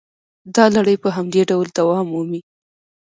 دا لړۍ په همدې ډول دوام مومي